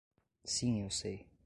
Sim eu sei.